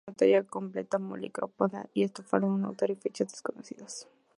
Es una talla completa policromada y estofada de autor y fecha desconocidos.